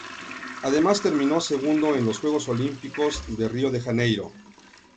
Además terminó segundo en los Juegos Olímpicos de Río de Janeiro.